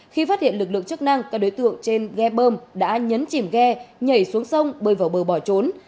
khi phát hiện lực lượng chức năng các đối tượng trên ghe bơm đã nhấn chìm ghe nhảy xuống sông bơi vào bờ bỏ trốn